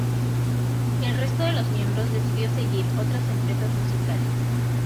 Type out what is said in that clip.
El resto de los miembros decidió seguir otras empresas musicales.